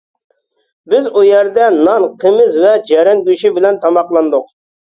بىز ئۇ يەردە نان، قىمىز ۋە جەرەن گۆشى بىلەن تاماقلاندۇق.